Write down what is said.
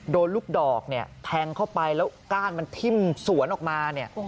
โดนลูกดอกเนี่ยแทงเข้าไปแล้วก้านมันทิ่มสวนออกมาเนี่ย